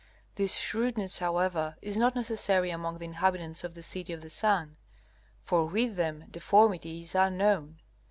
This shrewdness, however, is not necessary among the inhabitants of the City of the Sun. For with them deformity is unknown.